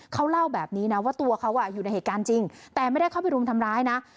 เขาเล่าแบบนี้นะว่าตัวเขาอยู่ในเหตุการณ์จริงแต่ไม่ได้เข้าไปรุมทำร้ายนะ